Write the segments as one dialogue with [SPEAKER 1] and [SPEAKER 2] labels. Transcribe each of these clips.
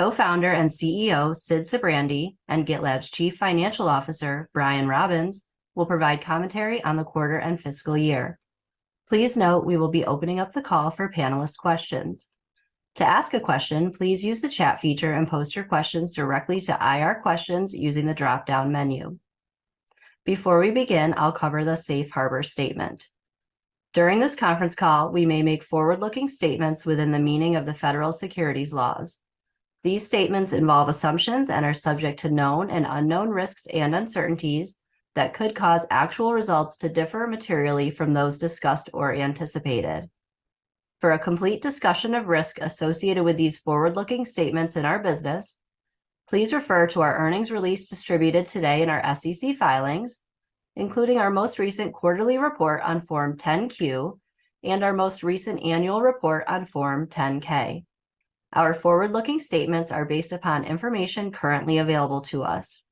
[SPEAKER 1] Co-founder and CEO, Sid Sijbrandij, and GitLab's Chief Financial Officer, Brian Robins, will provide commentary on the quarter and fiscal year. Please note we will be opening up the call for panelist questions. To ask a question, please use the chat feature and post your questions directly to IR questions using the dropdown menu. Before we begin, I'll cover the safe harbor statement. During this conference call, we may make forward-looking statements within the meaning of the federal securities laws. These statements involve assumptions and are subject to known and unknown risks and uncertainties that could cause actual results to differ materially from those discussed or anticipated. For a complete discussion of risk associated with these forward-looking statements in our business, please refer to our earnings release distributed today in our SEC filings, including our most recent quarterly report on Form 10-Q and our most recent annual report on Form 10-K. Our forward-looking statements are based upon information currently available to us.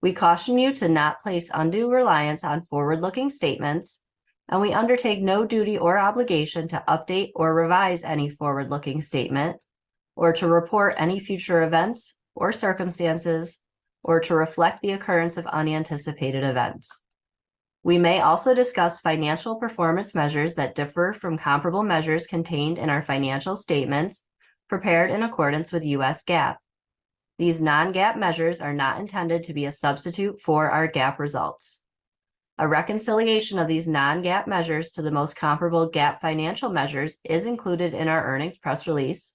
[SPEAKER 1] We caution you to not place undue reliance on forward-looking statements, and we undertake no duty or obligation to update or revise any forward-looking statement or to report any future events or circumstances or to reflect the occurrence of unanticipated events. We may also discuss financial performance measures that differ from comparable measures contained in our financial statements prepared in accordance with U.S. GAAP. These non-GAAP measures are not intended to be a substitute for our GAAP results. A reconciliation of these non-GAAP measures to the most comparable GAAP financial measures is included in our earnings press release,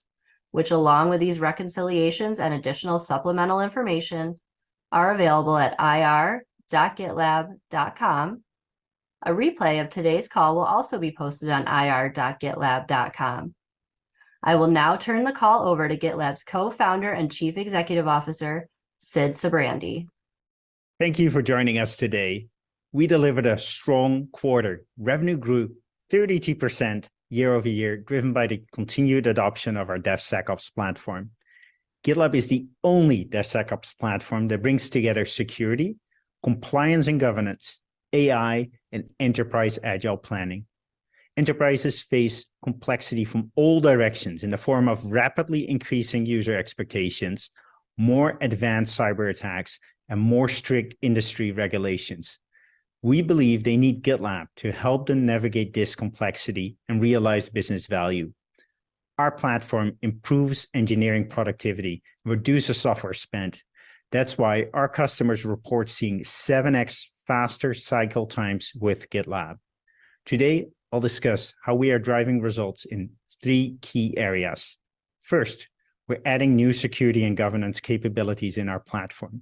[SPEAKER 1] which, along with these reconciliations and additional supplemental information, are available at ir.gitlab.com. A replay of today's call will also be posted on ir.gitlab.com. I will now turn the call over to GitLab's Co-founder and Chief Executive Officer, Sid Sijbrandij.
[SPEAKER 2] Thank you for joining us today. We delivered a strong quarter. Revenue grew 32% year-over-year, driven by the continued adoption of our DevSecOps platform. GitLab is the only DevSecOps platform that brings together security, compliance and governance, AI, and Enterprise Agile Planning. Enterprises face complexity from all directions in the form of rapidly increasing user expectations, more advanced cyber attacks, and more strict industry regulations. We believe they need GitLab to help them navigate this complexity and realize business value. Our platform improves engineering productivity, reduces software spend. That's why our customers report seeing 7x faster cycle times with GitLab. Today, I'll discuss how we are driving results in three key areas. First, we're adding new security and governance capabilities in our platform.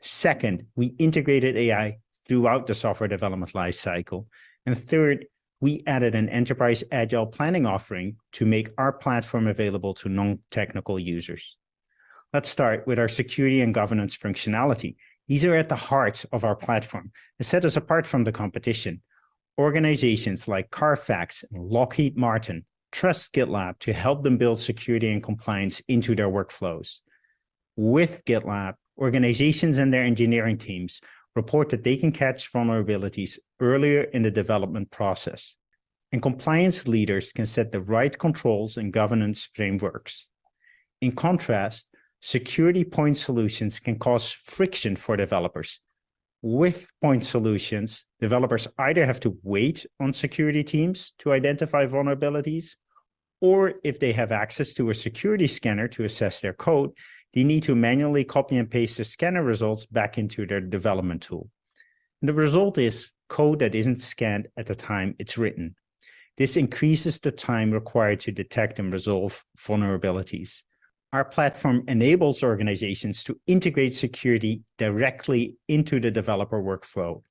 [SPEAKER 2] Second, we integrated AI throughout the software development lifecycle. And third, we added an Enterprise Agile Planning offering to make our platform available to non-technical users. Let's start with our security and governance functionality. These are at the heart of our platform. It set us apart from the competition. Organizations like Carfax and Lockheed Martin trust GitLab to help them build security and compliance into their workflows. With GitLab, organizations and their engineering teams report that they can catch vulnerabilities earlier in the development process, and compliance leaders can set the right controls and governance frameworks. In contrast, security point solutions can cause friction for developers. With point solutions, developers either have to wait on security teams to identify vulnerabilities, or if they have access to a security scanner to assess their code, they need to manually copy and paste the scanner results back into their development tool. The result is code that isn't scanned at the time it's written. This increases the time required to detect and resolve vulnerabilities. Our platform enables organizations to integrate security directly into the developer workflow.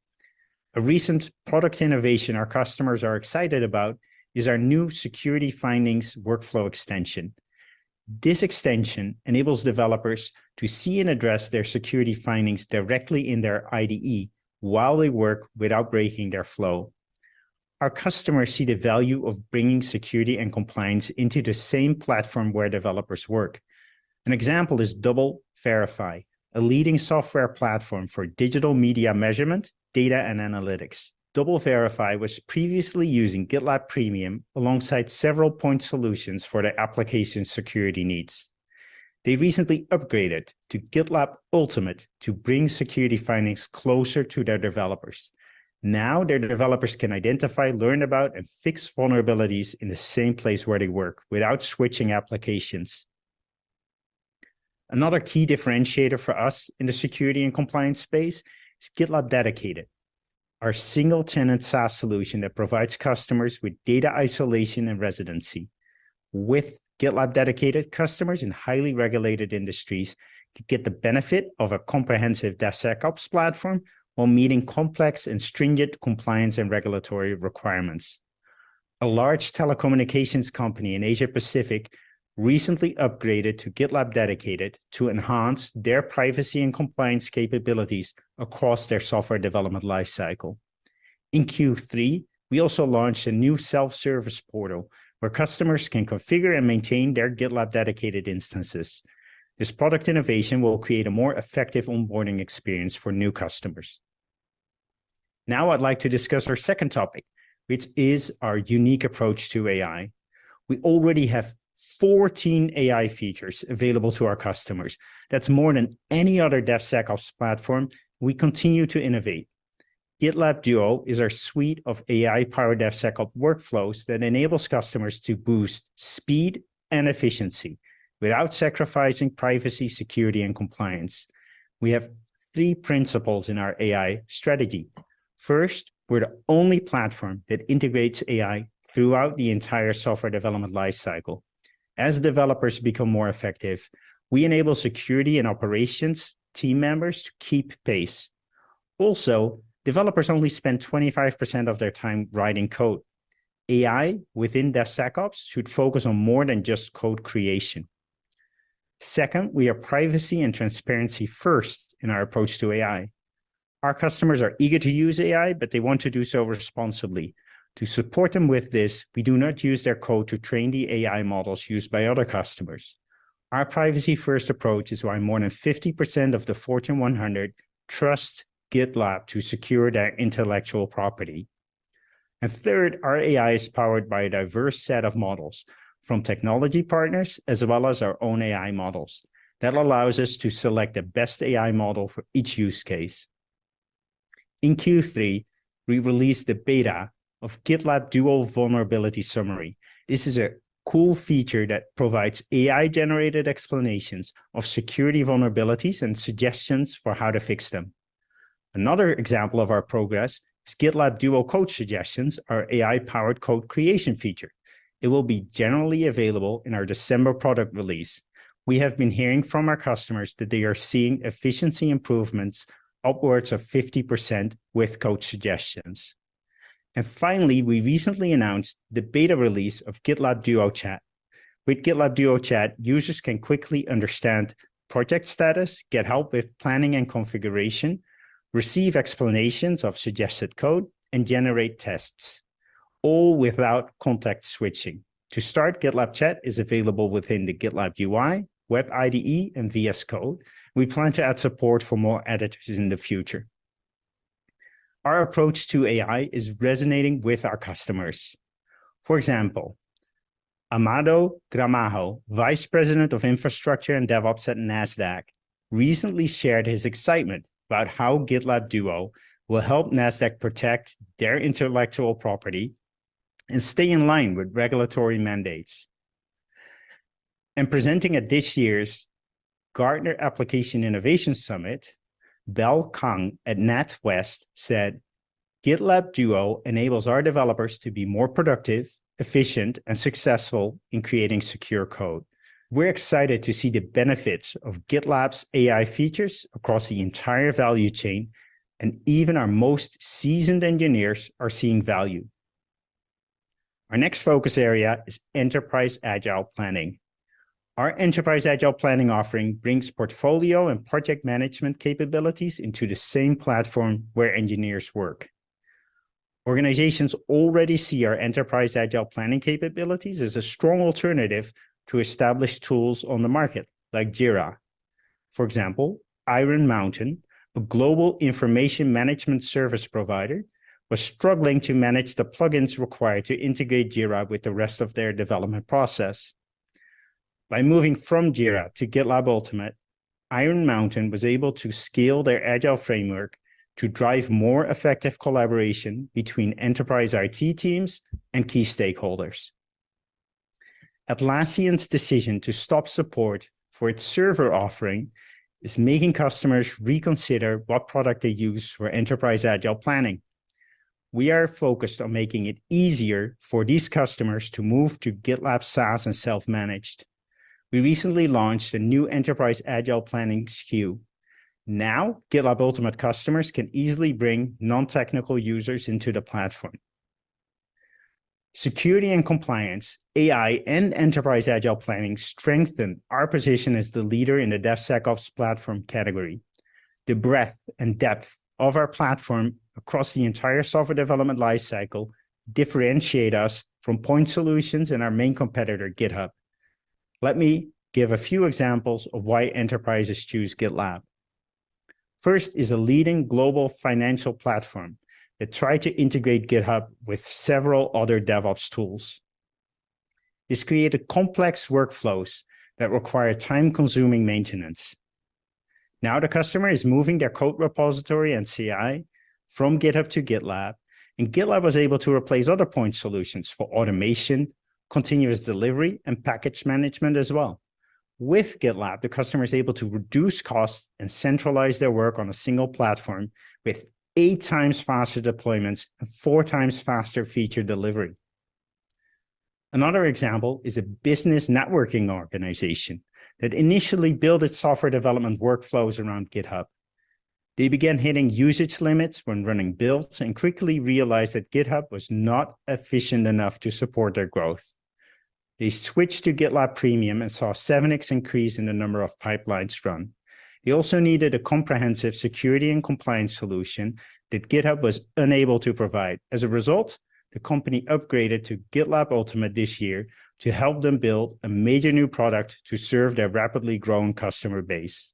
[SPEAKER 2] A recent product innovation our customers are excited about is our new security findings workflow extension. This extension enables developers to see and address their security findings directly in their IDE while they work without breaking their flow. Our customers see the value of bringing security and compliance into the same platform where developers work. An example is DoubleVerify, a leading software platform for digital media measurement, data, and analytics. DoubleVerify was previously using GitLab Premium alongside several point solutions for their application security needs. They recently upgraded to GitLab Ultimate to bring security findings closer to their developers. Now, their developers can identify, learn about, and fix vulnerabilities in the same place where they work without switching applications. Another key differentiator for us in the security and compliance space is GitLab Dedicated, our single-tenant SaaS solution that provides customers with data isolation and residency. With GitLab Dedicated, customers in highly regulated industries could get the benefit of a comprehensive DevSecOps platform while meeting complex and stringent compliance and regulatory requirements. A large telecommunications company in Asia-Pacific recently upgraded to GitLab Dedicated to enhance their privacy and compliance capabilities across their software development lifecycle. In Q3, we also launched a new self-service portal, where customers can configure and maintain their GitLab Dedicated instances. This product innovation will create a more effective onboarding experience for new customers. Now I'd like to discuss our second topic, which is our unique approach to AI. We already have 14 AI features available to our customers. That's more than any other DevSecOps platform. We continue to innovate. GitLab Duo is our suite of AI-powered DevSecOps workflows that enables customers to boost speed and efficiency without sacrificing privacy, security, and compliance. We have three principles in our AI strategy. First, we're the only platform that integrates AI throughout the entire software development life cycle. As developers become more effective, we enable security and operations team members to keep pace. Also, developers only spend 25% of their time writing code. AI within DevSecOps should focus on more than just code creation. Second, we are privacy and transparency first in our approach to AI. Our customers are eager to use AI, but they want to do so responsibly. To support them with this, we do not use their code to train the AI models used by other customers. Our privacy-first approach is why more than 50% of the Fortune 100 trust GitLab to secure their intellectual property. And third, our AI is powered by a diverse set of models from technology partners, as well as our own AI models. That allows us to select the best AI model for each use case. In Q3, we released the beta of GitLab Duo Vulnerability Summary. This is a cool feature that provides AI-generated explanations of security vulnerabilities and suggestions for how to fix them. Another example of our progress is GitLab Duo Code Suggestions, our AI-powered code creation feature. It will be generally available in our December product release. We have been hearing from our customers that they are seeing efficiency improvements upwards of 50% with Code Suggestions. And finally, we recently announced the beta release of GitLab Duo Chat. With GitLab Duo Chat, users can quickly understand project status, get help with planning and configuration, receive explanations of suggested code, and generate tests, all without context switching. To start, GitLab Chat is available within the GitLab UI, Web IDE, and VS Code. We plan to add support for more editors in the future. Our approach to AI is resonating with our customers. For example, Amado Gramajo, Vice President, Infrastructure & DevOps at Nasdaq, recently shared his excitement about how GitLab Duo will help Nasdaq protect their intellectual property and stay in line with regulatory mandates. Presenting at this year's Gartner Application Innovation Summit, Bal Kang at NatWest said, "GitLab Duo enables our developers to be more productive, efficient, and successful in creating secure code. We're excited to see the benefits of GitLab's AI features across the entire value chain, and even our most seasoned engineers are seeing value." Our next focus area is Enterprise Agile Planning. Our Enterprise Agile Planning offering brings portfolio and project management capabilities into the same platform where engineers work. Organizations already see our Enterprise Agile Planning capabilities as a strong alternative to established tools on the market, like Jira. For example, Iron Mountain, a global information management service provider, was struggling to manage the plugins required to integrate Jira with the rest of their development process. By moving from Jira to GitLab Ultimate, Iron Mountain was able to scale their agile framework to drive more effective collaboration between enterprise IT teams and key stakeholders. Atlassian's decision to stop support for its server offering is making customers reconsider what product they use for Enterprise Agile Planning. We are focused on making it easier for these customers to move to GitLab SaaS and Self-Managed. We recently launched a new Enterprise Agile Planning SKU. Now, GitLab Ultimate customers can easily bring non-technical users into the platform. Security and compliance, AI, and Enterprise Agile Planning strengthen our position as the leader in the DevSecOps platform category. The breadth and depth of our platform across the entire software development life cycle differentiate us from point solutions and our main competitor, GitHub. Let me give a few examples of why enterprises choose GitLab. First is a leading global financial platform that tried to integrate GitHub with several other DevOps tools. This created complex workflows that require time-consuming maintenance. Now the customer is moving their code repository and CI from GitHub to GitLab, and GitLab was able to replace other point solutions for automation, continuous delivery, and package management as well. With GitLab, the customer is able to reduce costs and centralize their work on a single platform with eight times faster deployments and four times faster feature delivery. Another example is a business networking organization that initially built its software development workflows around GitHub. They began hitting usage limits when running builds and quickly realized that GitHub was not efficient enough to support their growth. They switched to GitLab Premium and saw a 7x increase in the number of pipelines run. They also needed a comprehensive security and compliance solution that GitHub was unable to provide. As a result, the company upgraded to GitLab Ultimate this year to help them build a major new product to serve their rapidly growing customer base...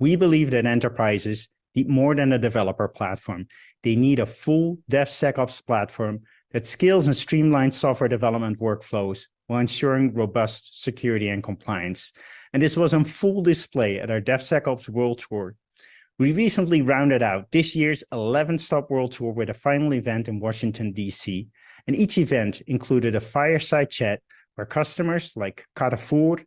[SPEAKER 2] We believe that enterprises need more than a developer platform. They need a full DevSecOps platform that scales and streamlines software development workflows while ensuring robust security and compliance. This was on full display at our DevSecOps World Tour. We recently rounded out this year's 11-stop world tour with a final event in Washington, D.C., and each event included a fireside chat where customers like Carrefour,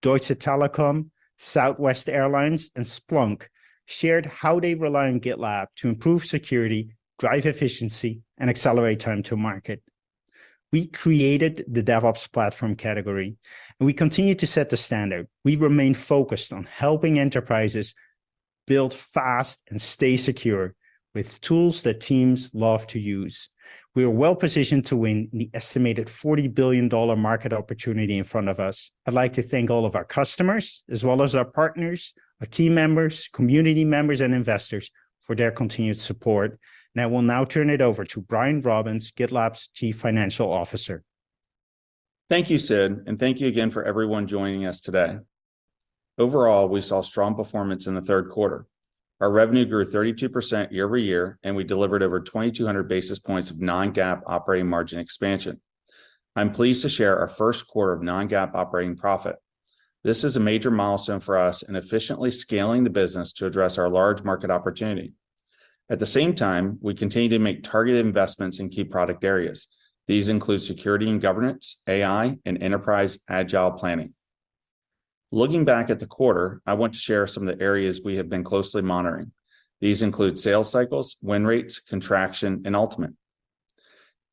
[SPEAKER 2] Deutsche Telekom, Southwest Airlines, and Splunk shared how they rely on GitLab to improve security, drive efficiency, and accelerate time to market. We created the DevOps platform category, and we continue to set the standard. We remain focused on helping enterprises build fast and stay secure with tools that teams love to use. We are well positioned to win the estimated $40 billion market opportunity in front of us. I'd like to thank all of our customers, as well as our partners, our team members, community members, and investors for their continued support. Now, I will now turn it over to Brian Robins, GitLab's Chief Financial Officer.
[SPEAKER 3] Thank you, Sid, and thank you again for everyone joining us today. Overall, we saw strong performance in the third quarter. Our revenue grew 32% year-over-year, and we delivered over 2,200 basis points of non-GAAP operating margin expansion. I'm pleased to share our first quarter of non-GAAP operating profit. This is a major milestone for us in efficiently scaling the business to address our large market opportunity. At the same time, we continue to make targeted investments in key product areas. These include security and governance, AI, and enterprise agile planning. Looking back at the quarter, I want to share some of the areas we have been closely monitoring. These include sales cycles, win rates, contraction, and Ultimate.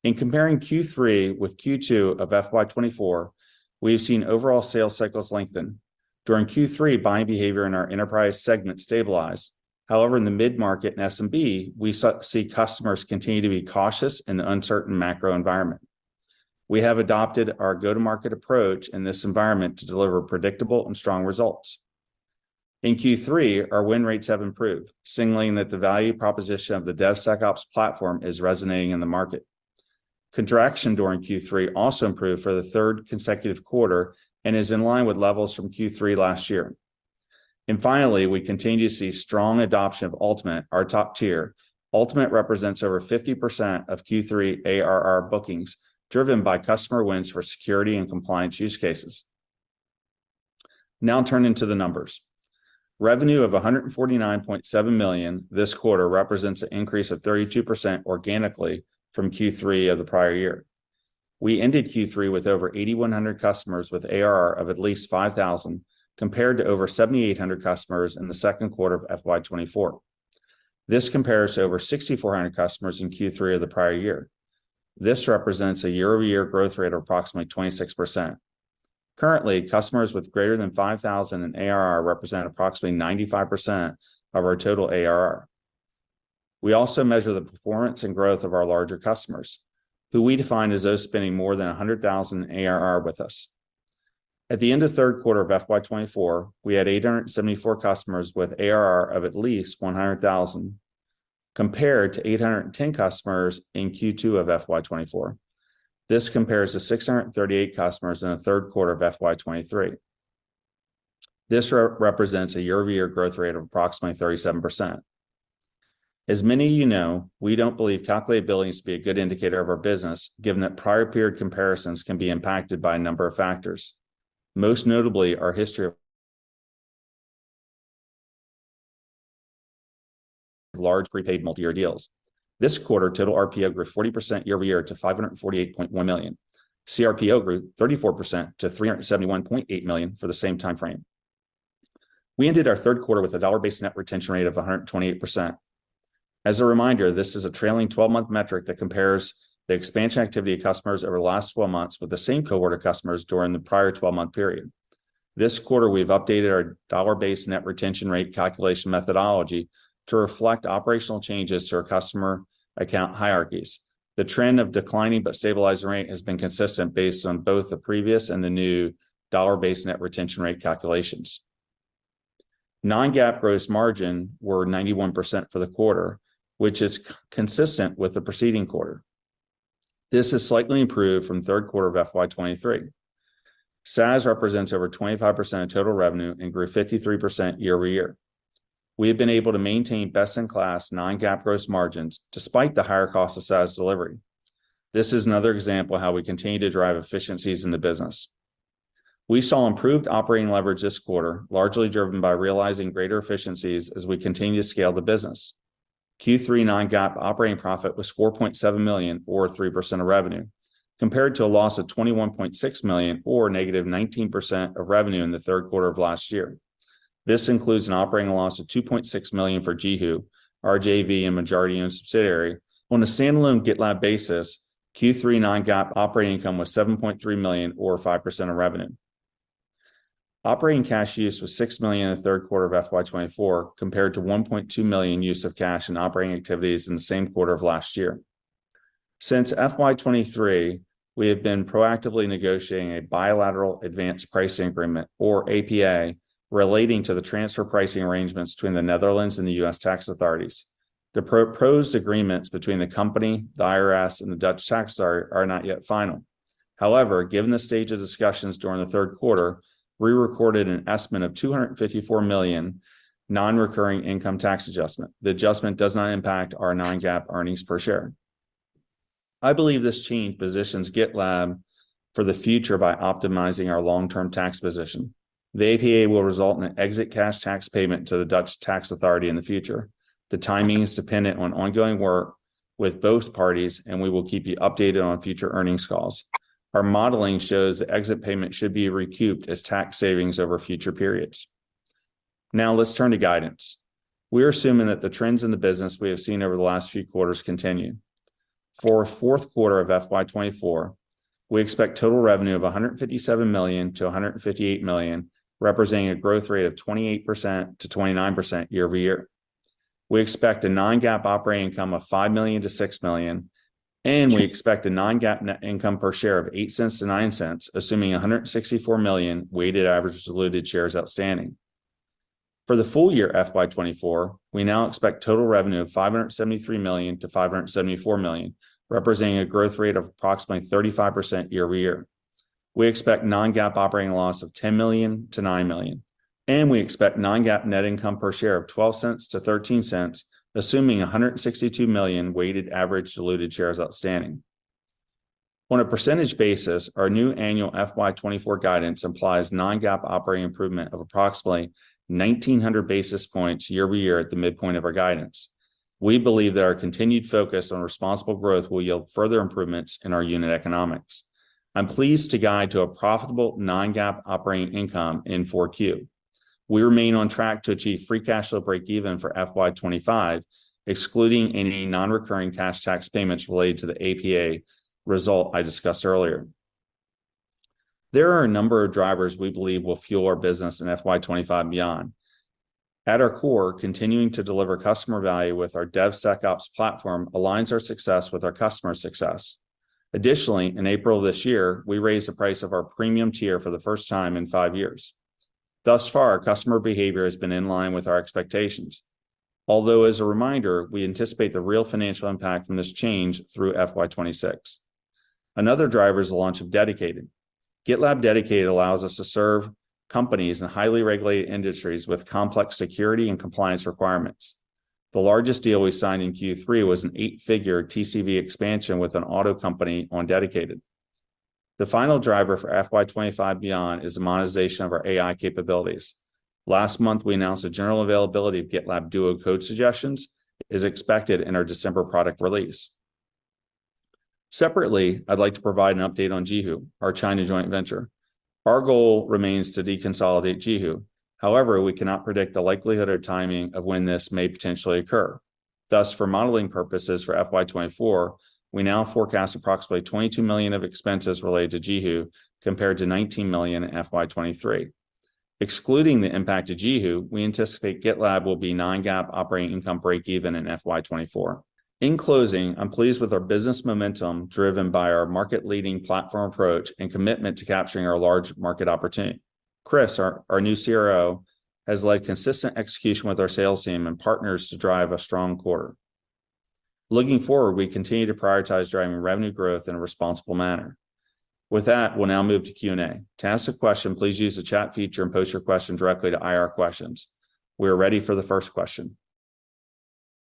[SPEAKER 3] In comparing Q3 with Q2 of FY 2024, we've seen overall sales cycles lengthen. During Q3, buying behavior in our enterprise segment stabilized. However, in the mid-market and SMB, we see customers continue to be cautious in the uncertain macro environment. We have adopted our go-to-market approach in this environment to deliver predictable and strong results. In Q3, our win rates have improved, signaling that the value proposition of the DevSecOps platform is resonating in the market. Contraction during Q3 also improved for the third consecutive quarter and is in line with levels from Q3 last year. And finally, we continue to see strong adoption of Ultimate, our top tier. Ultimate represents over 50% of Q3 ARR bookings, driven by customer wins for security and compliance use cases. Now turning to the numbers. Revenue of $149.7 million this quarter represents an increase of 32% organically from Q3 of the prior year. We ended Q3 with over 8,100 customers, with ARR of at least $5,000, compared to over 7,800 customers in the second quarter of FY 2024. This compares to over 6,400 customers in Q3 of the prior year. This represents a year-over-year growth rate of approximately 26%. Currently, customers with greater than $5,000 in ARR represent approximately 95% of our total ARR. We also measure the performance and growth of our larger customers, who we define as those spending more than $100,000 in ARR with us. At the end of the third quarter of FY 2024, we had 874 customers with ARR of at least $100,000, compared to 810 customers in Q2 of FY 2024. This compares to 638 customers in the third quarter of FY 2023. This represents a year-over-year growth rate of approximately 37%. As many of you know, we don't believe calculated billings to be a good indicator of our business, given that prior period comparisons can be impacted by a number of factors, most notably our history of large prepaid multiyear deals. This quarter, total RPO grew 40% year-over-year to $548.1 million. CRPO grew 34% to $371.8 million for the same time frame. We ended our third quarter with a dollar-based net retention rate of 128%. As a reminder, this is a trailing 12-month metric that compares the expansion activity of customers over the last 12 months with the same cohort of customers during the prior 12-month period. This quarter, we've updated our Dollar-Based Net Retention Rate calculation methodology to reflect operational changes to our customer account hierarchies. The trend of declining but stabilized rate has been consistent based on both the previous and the new Dollar-Based Net Retention Rate calculations. Non-GAAP gross margin were 91% for the quarter, which is consistent with the preceding quarter. This is slightly improved from the third quarter of FY 2023. SaaS represents over 25% of total revenue and grew 53% year-over-year. We have been able to maintain best-in-class Non-GAAP gross margins, despite the higher cost of SaaS delivery. This is another example of how we continue to drive efficiencies in the business. We saw improved operating leverage this quarter, largely driven by realizing greater efficiencies as we continue to scale the business. Q3 non-GAAP operating profit was $4.7 million or 3% of revenue, compared to a loss of $21.6 million or -19% of revenue in the third quarter of last year. This includes an operating loss of $2.6 million for JiHu, our JV and majority-owned subsidiary. On a standalone GitLab basis, Q3 non-GAAP operating income was $7.3 million or 5% of revenue. Operating cash use was $6 million in the third quarter of FY 2024, compared to $1.2 million use of cash in operating activities in the same quarter of last year. Since FY 2023, we have been proactively negotiating a bilateral Advanced Pricing Agreement, or APA, relating to the transfer pricing arrangements between the Netherlands and the US tax authorities. The proposed agreements between the company, the IRS, and the Dutch tax authority are not yet final. However, given the stage of discussions during the third quarter, we recorded an estimate of $254 million non-recurring income tax adjustment. The adjustment does not impact our non-GAAP earnings per share. I believe this change positions GitLab for the future by optimizing our long-term tax position. The APA will result in an exit cash tax payment to the Dutch tax authority in the future. The timing is dependent on ongoing work with both parties, and we will keep you updated on future earnings calls. Our modeling shows the exit payment should be recouped as tax savings over future periods. Now, let's turn to guidance. We are assuming that the trends in the business we have seen over the last few quarters continue. For our fourth quarter of FY 2024, we expect total revenue of $157 million-$158 million, representing a growth rate of 28%-29% year-over-year. We expect a non-GAAP operating income of $5 million-$6 million, and we expect a non-GAAP net income per share of $0.08-$0.09, assuming 164 million weighted average diluted shares outstanding. For the full year FY 2024, we now expect total revenue of $573 million-$574 million, representing a growth rate of approximately 35% year-over-year. We expect non-GAAP operating loss of $10 million-$9 million, and we expect non-GAAP net income per share of $0.12-$0.13, assuming 162 million weighted average diluted shares outstanding. On a percentage basis, our new annual FY 2024 guidance implies Non-GAAP operating improvement of approximately 1,900 basis points year-over-year at the midpoint of our guidance. We believe that our continued focus on responsible growth will yield further improvements in our unit economics. I'm pleased to guide to a profitable Non-GAAP operating income in Q4. We remain on track to achieve free cash flow break even for FY 2025, excluding any non-recurring cash tax payments related to the APA result I discussed earlier. There are a number of drivers we believe will fuel our business in FY 2025 and beyond. At our core, continuing to deliver customer value with our DevSecOps platform aligns our success with our customers' success. Additionally, in April this year, we raised the price of our Premium tier for the first time in five years. Thus far, our customer behavior has been in line with our expectations. Although, as a reminder, we anticipate the real financial impact from this change through FY 2026. Another driver is the launch of Dedicated. GitLab Dedicated allows us to serve companies in highly regulated industries with complex security and compliance requirements. The largest deal we signed in Q3 was an eight-figure TCV expansion with an auto company on Dedicated. The final driver for FY 2025 beyond is the monetization of our AI capabilities. Last month, we announced the general availability of GitLab Duo Code Suggestions, is expected in our December product release. Separately, I'd like to provide an update on Jihu, our China joint venture. Our goal remains to deconsolidate Jihu. However, we cannot predict the likelihood or timing of when this may potentially occur. Thus, for modeling purposes for FY 2024, we now forecast approximately $22 million of expenses related to Jihu, compared to $19 million in FY 2023. Excluding the impact of Jihu, we anticipate GitLab will be non-GAAP operating income break even in FY 2024. In closing, I'm pleased with our business momentum, driven by our market-leading platform approach and commitment to capturing our large market opportunity. Chris, our, our new CRO, has led consistent execution with our sales team and partners to drive a strong quarter. Looking forward, we continue to prioritize driving revenue growth in a responsible manner. With that, we'll now move to Q&A. To ask a question, please use the chat feature and post your question directly to IR questions. We are ready for the first question.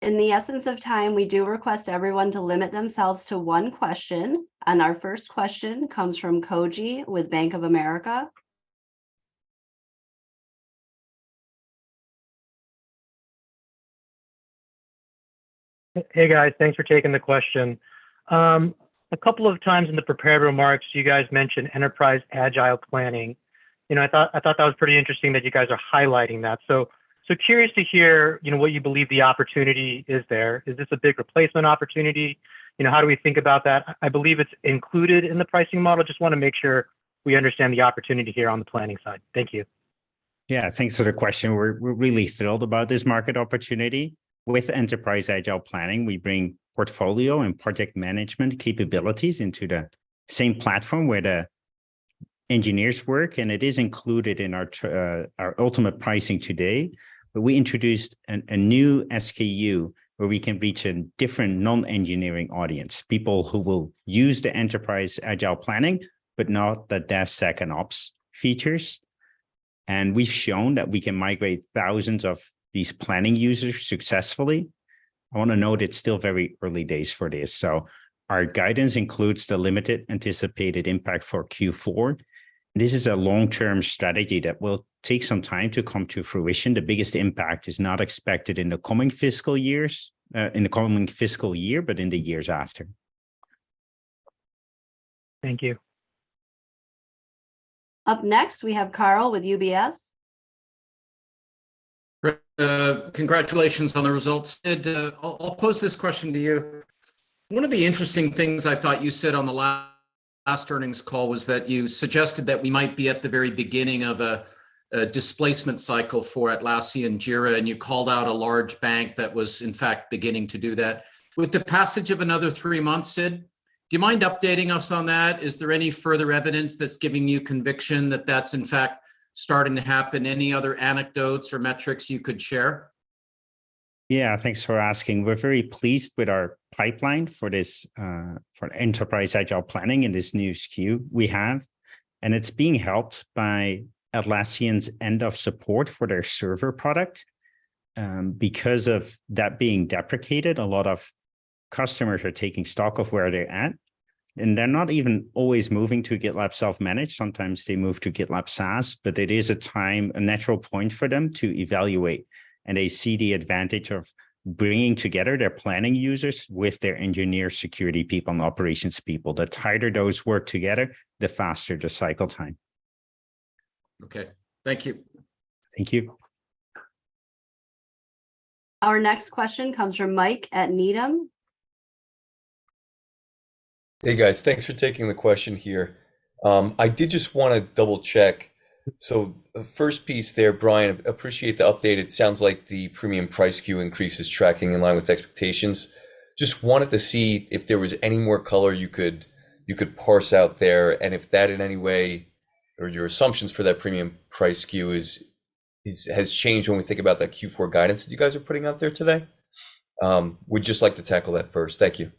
[SPEAKER 1] In the essence of time, we do request everyone to limit themselves to one question, and our first question comes from Koji with Bank of America.
[SPEAKER 4] Hey, guys. Thanks for taking the question. A couple of times in the prepared remarks, you guys mentioned Enterprise Agile Planning. You know, I thought that was pretty interesting that you guys are highlighting that. So curious to hear, you know, what you believe the opportunity is there. Is this a big replacement opportunity? You know, how do we think about that? I believe it's included in the pricing model. Just wanna make sure we understand the opportunity here on the planning side. Thank you.
[SPEAKER 2] Yeah, thanks for the question. We're really thrilled about this market opportunity. With Enterprise Agile Planning, we bring portfolio and project management capabilities into the same platform where the engineers work, and it is included in our ultimate pricing today. But we introduced a new SKU where we can reach a different non-engineering audience, people who will use the Enterprise Agile Planning, but not the DevSec and Ops features. And we've shown that we can migrate thousands of these planning users successfully. I wanna note, it's still very early days for this, so our guidance includes the limited anticipated impact for Q4. This is a long-term strategy that will take some time to come to fruition. The biggest impact is not expected in the coming fiscal years, in the coming fiscal year, but in the years after.
[SPEAKER 4] Thank you.
[SPEAKER 1] Up next, we have Karl with UBS.
[SPEAKER 5] Great. Congratulations on the results. Sid, I'll pose this question to you. One of the interesting things I thought you said on the last earnings call was that you suggested that we might be at the very beginning of a displacement cycle for Atlassian Jira, and you called out a large bank that was, in fact, beginning to do that. With the passage of another three months, Sid, do you mind updating us on that? Is there any further evidence that's giving you conviction that that's, in fact, starting to happen? Any other anecdotes or metrics you could share?...
[SPEAKER 2] Yeah, thanks for asking. We're very pleased with our pipeline for this, for Enterprise Agile Planning and this new SKU we have, and it's being helped by Atlassian's end of support for their server product. Because of that being deprecated, a lot of customers are taking stock of where they're at, and they're not even always moving to GitLab Self-Managed. Sometimes they move to GitLab SaaS, but it is a time, a natural point for them to evaluate, and they see the advantage of bringing together their planning users with their engineer security people and operations people. The tighter those work together, the faster the cycle time.
[SPEAKER 5] Okay, thank you.
[SPEAKER 2] Thank you.
[SPEAKER 1] Our next question comes from Mike at Needham.
[SPEAKER 6] Hey, guys. Thanks for taking the question here. I did just wanna double-check. So the first piece there, Brian, appreciate the update. It sounds like the Premium price SKU increase is tracking in line with expectations. Just wanted to see if there was any more color you could parse out there, and if that, in any way, or your assumptions for that Premium price SKU is, has changed when we think about that Q4 guidance that you guys are putting out there today. Would just like to tackle that first. Thank you.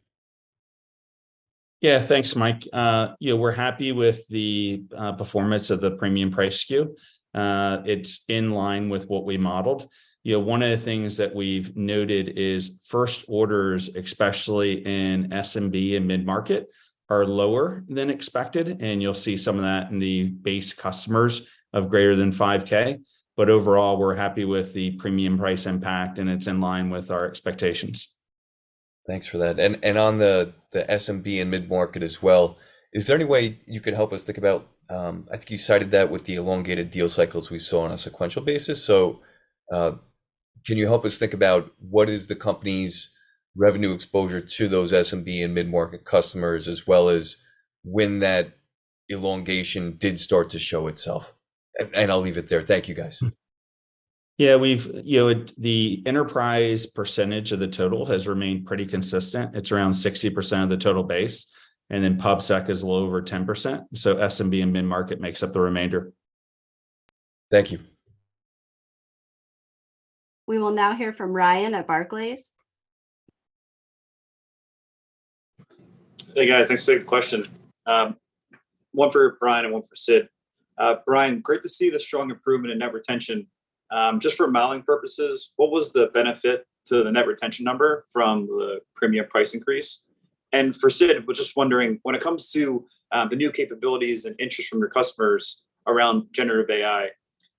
[SPEAKER 3] Yeah. Thanks, Mike. Yeah, we're happy with the performance of the Premium price SKU. It's in line with what we modeled. You know, one of the things that we've noted is first orders, especially in SMB and mid-market, are lower than expected, and you'll see some of that in the base customers of greater than 5K. But overall, we're happy with the premium price impact, and it's in line with our expectations.
[SPEAKER 6] Thanks for that. And on the SMB and mid-market as well, is there any way you could help us think about? I think you cited that with the elongated deal cycles we saw on a sequential basis. So, can you help us think about what is the company's revenue exposure to those SMB and mid-market customers, as well as when that elongation did start to show itself? And I'll leave it there. Thank you, guys.
[SPEAKER 3] Yeah, we've, you know, the enterprise percentage of the total has remained pretty consistent. It's around 60% of the total base, and then PubSec is a little over 10%, so SMB and mid-market makes up the remainder.
[SPEAKER 6] Thank you.
[SPEAKER 1] We will now hear from Ryan at Barclays.
[SPEAKER 7] Hey, guys. Thanks for the question. One for Brian and one for Sid. Brian, great to see the strong improvement in net retention. Just for modeling purposes, what was the benefit to the net retention number from the premium price increase? And for Sid, was just wondering, when it comes to the new capabilities and interest from your customers around generative AI,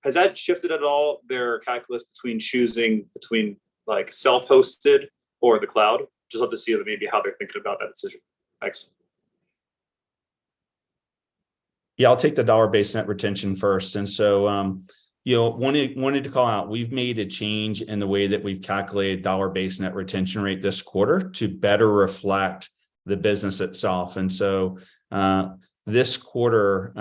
[SPEAKER 7] has that shifted at all their calculus between choosing between, like, self-hosted or the cloud? Just love to see maybe how they're thinking about that decision. Thanks.
[SPEAKER 3] Yeah, I'll take the Dollar-Based Net Retention first. And so, you know, wanted to call out, we've made a change in the way that we've calculated Dollar-Based Net Retention Rate this quarter to better reflect the business itself. And so, this quarter,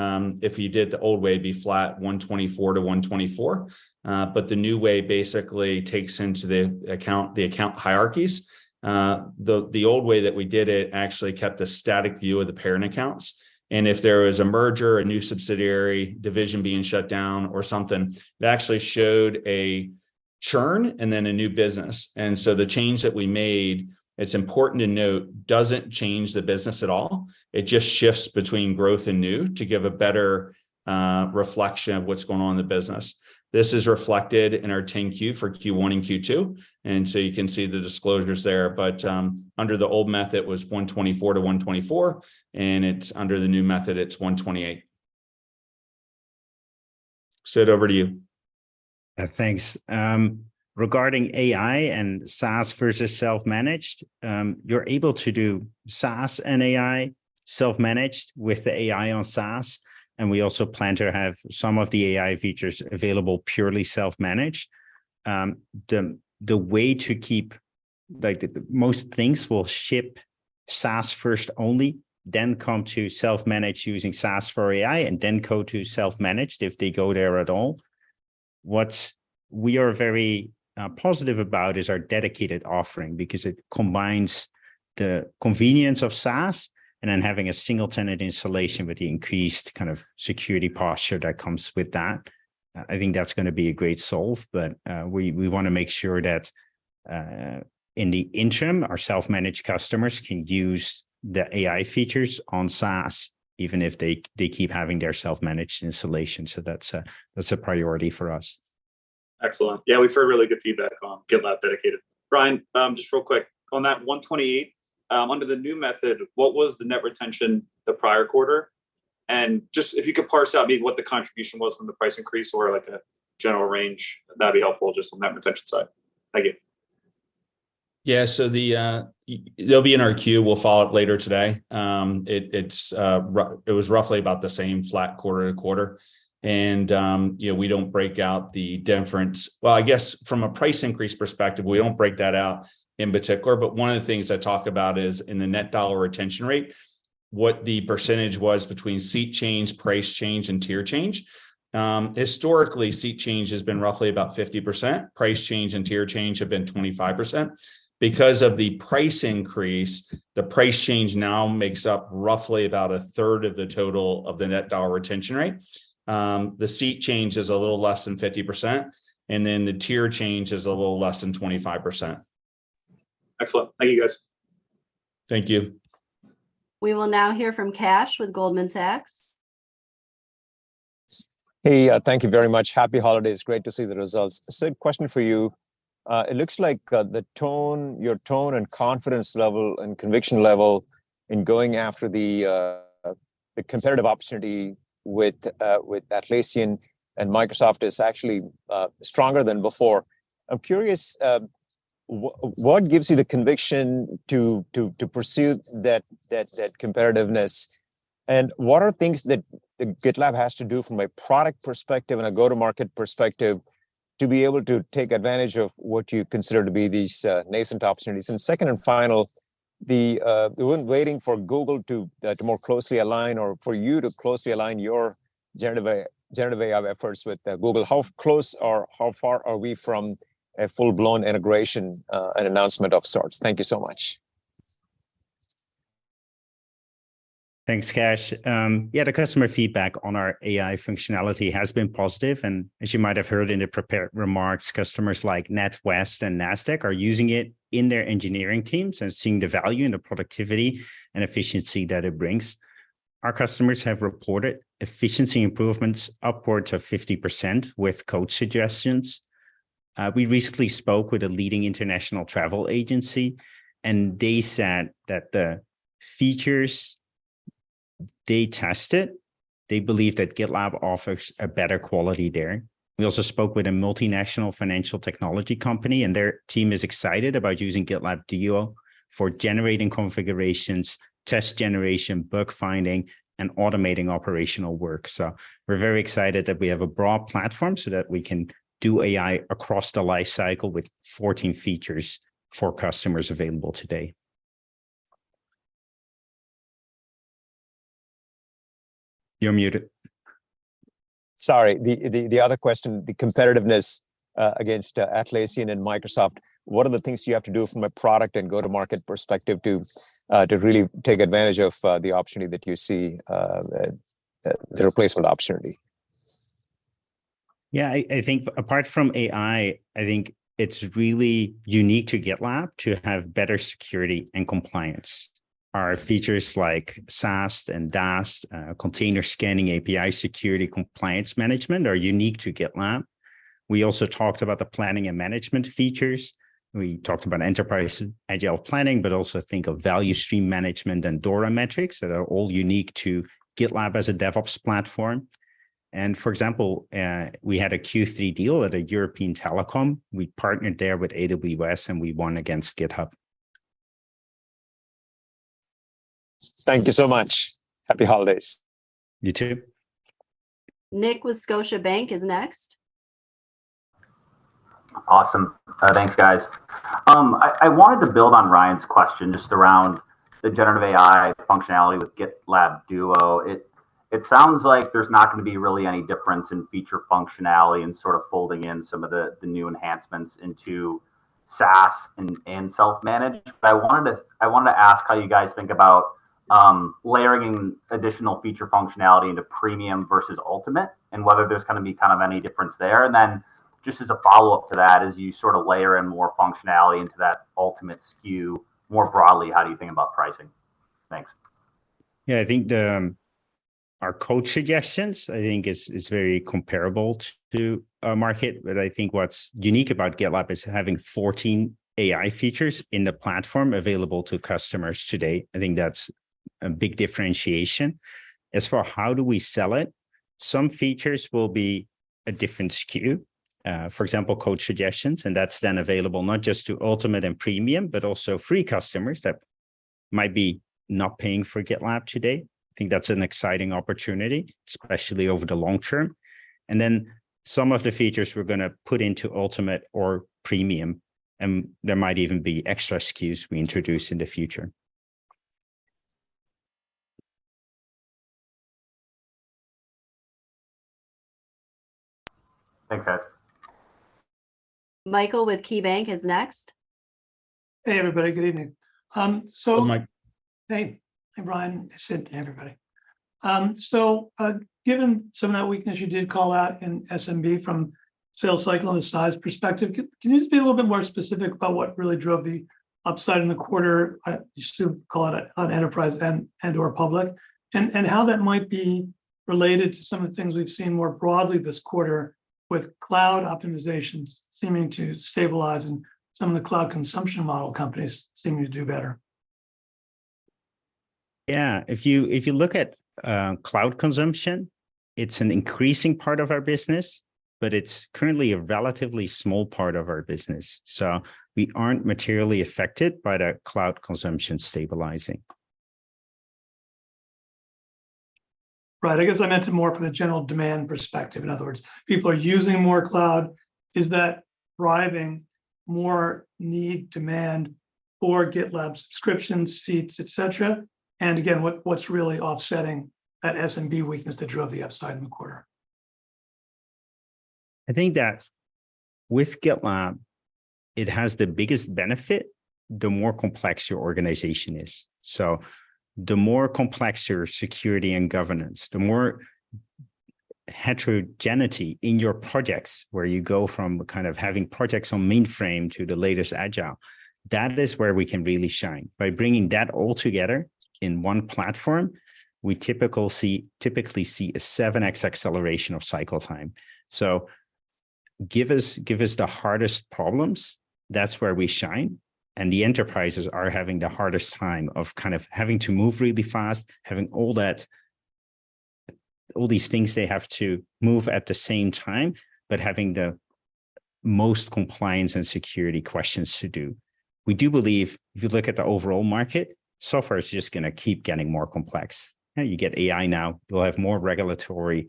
[SPEAKER 3] if you did it the old way, it'd be flat, 124-124. But the new way basically takes into the account, the account hierarchies. The old way that we did it actually kept a static view of the parent accounts, and if there was a merger, a new subsidiary division being shut down or something, it actually showed a churn and then a new business. And so the change that w e made, it's important to note, doesn't change the business at all. It just shifts between growth and new to give a better reflection of what's going on in the business. This is reflected in our 10-Q for Q1 and Q2, and so you can see the disclosures there. But under the old method, it was 124%-124%, and under the new method, it's 128%. Sid, over to you.
[SPEAKER 2] Thanks. Regarding AI and SaaS versus self-managed, you're able to do SaaS and AI self-managed with the AI on SaaS, and we also plan to have some of the AI features available purely self-managed. The way to keep, like, the most things will ship SaaS first only, then come to self-managed using SaaS for AI, and then go to self-managed, if they go there at all. What we are very positive about is our dedicated offering, because it combines the convenience of SaaS, and then having a single tenant installation with the increased kind of security posture that comes with that. I think that's gonna be a great solve, but we wanna make sure that in the interim, our self-managed customers can use the AI features on SaaS, even if they keep having their self-managed installation. So that's a priority for us.
[SPEAKER 7] Excellent. Yeah, we've heard really good feedback on GitLab Dedicated. Brian, just real quick, on that 128, under the new method, what was the net retention the prior quarter? And just if you could parse out maybe what the contribution was from the price increase or, like, a general range, that'd be helpful just on that retention side. Thank you.
[SPEAKER 3] Yeah. So the, it'll be in our queue. We'll follow up later today. It was roughly about the same flat quarter to quarter. You know, we don't break out the difference. Well, I guess from a price increase perspective, we don't break that out in particular, but one of the things I talk about is in the net dollar retention rate, what the percentage was between seat change, price change, and tier change. Historically, seat change has been roughly about 50%. Price change and tier change have been 25%. Because of the price increase, the price change now makes up roughly about a third of the total of the net dollar retention rate. The seat change is a little less than 50%, and then the tier change is a little less than 25%....
[SPEAKER 8] Excellent. Thank you, guys.
[SPEAKER 9] Thank you.
[SPEAKER 1] We will now hear from Kash with Goldman Sachs.
[SPEAKER 10] Hey, thank you very much. Happy holidays. Great to see the results. Sid, question for you. It looks like the tone, your tone and confidence level and conviction level in going after the conservative opportunity with Atlassian and Microsoft is actually stronger than before. I'm curious, what gives you the conviction to pursue that competitiveness? And what are things that GitLab has to do from a product perspective and a go-to-market perspective to be able to take advantage of what you consider to be these nascent opportunities? And second and final, we've been waiting for Google to more closely align, or for you to closely align your generative AI, generative AI efforts with Google. How close or how far are we from a full-blown integration and announcement of sorts? Thank you so much.
[SPEAKER 2] Thanks, Kash. Yeah, the customer feedback on our AI functionality has been positive, and as you might have heard in the prepared remarks, customers like NatWest and Nasdaq are using it in their engineering teams and seeing the value in the productivity and efficiency that it brings. Our customers have reported efficiency improvements upwards of 50% with code suggestions. We recently spoke with a leading international travel agency, and they said that the features, they test it, they believe that GitLab offers a better quality there. We also spoke with a multinational financial technology company, and their team is excited about using GitLab Duo for generating configurations, test generation, bug finding, and automating operational work. So we're very excited that we have a broad platform so that we can do AI across the life cycle with 14 features for customers available today. You're muted.
[SPEAKER 10] Sorry. The other question, the competitiveness against Atlassian and Microsoft, what are the things you have to do from a product and go-to-market perspective to really take advantage of the opportunity that you see, the replacement opportunity?
[SPEAKER 2] Yeah, I think apart from AI, I think it's really unique to GitLab to have better security and compliance. Our features like SAST and DAST, container scanning, API security, compliance management, are unique to GitLab. We also talked about the planning and management features. We talked about enterprise agile planning, but also think of value stream management and DORA metrics that are all unique to GitLab as a DevOps platform. And for example, we had a Q3 deal at a European telecom. We partnered there with AWS, and we won against GitHub.
[SPEAKER 10] Thank you so much. Happy holidays!
[SPEAKER 2] You too.
[SPEAKER 1] Nick with Scotiabank is next.
[SPEAKER 9] Awesome. Thanks, guys. I wanted to build on Ryan's question, just around the generative AI functionality with GitLab Duo. It sounds like there's not gonna be really any difference in feature functionality and sort of folding in some of the new enhancements into SaaS and Self-Managed. But I wanted to ask how you guys think about layering additional feature functionality into Premium versus Ultimate, and whether there's gonna be kind of any difference there. And then just as a follow-up to that, as you sort of layer in more functionality into that Ultimate SKU, more broadly, how do you think about pricing? Thanks.
[SPEAKER 2] Yeah, I think our code suggestions I think is very comparable to our market, but I think what's unique about GitLab is having 14 AI features in the platform available to customers today. I think that's a big differentiation. As for how do we sell it, some features will be a different SKU. For example, code suggestions, and that's then available not just to Ultimate and Premium, but also free customers that might be not paying for GitLab today. I think that's an exciting opportunity, especially over the long term. And then some of the features we're gonna put into Ultimate or Premium, and there might even be extra SKUs we introduce in the future.
[SPEAKER 9] Thanks, guys.
[SPEAKER 1] Michael with KeyBank is next.
[SPEAKER 8] Hey, everybody. Good evening.
[SPEAKER 9] Hello, Mike.
[SPEAKER 8] Hey. Hey, Brian, Sid, hey, everybody. So, given some of that weakness you did call out in SMB from sales cycle and the size perspective, can you just be a little bit more specific about what really drove the upside in the quarter, you still call it on enterprise and, and/or public, and, and how that might be related to some of the things we've seen more broadly this quarter with cloud optimizations seeming to stabilize and some of the cloud consumption model companies seeming to do better?
[SPEAKER 2] Yeah. If you, if you look at, cloud consumption, it's an increasing part of our business, but it's currently a relatively small part of our business, so we aren't materially affected by the cloud consumption stabilizing.
[SPEAKER 8] Right. I guess I meant it more from the general demand perspective. In other words, people are using more cloud. Is that driving more need, demand for GitLab subscriptions, seats, et cetera? And again, what, what's really offsetting that SMB weakness that drove the upside in the quarter?
[SPEAKER 2] I think that with GitLab, it has the biggest benefit, the more complex your organization is. So the more complex your security and governance, the more heterogeneity in your projects, where you go from kind of having projects on mainframe to the latest agile, that is where we can really shine. By bringing that all together in one platform, we typically see a 7x acceleration of cycle time. So give us, give us the hardest problems, that's where we shine, and the enterprises are having the hardest time of kind of having to move really fast, having all these things they have to move at the same time, but having the most compliance and security questions to do. We do believe, if you look at the overall market, software is just gonna keep getting more complex. Now, you get AI now, you'll have more regulatory,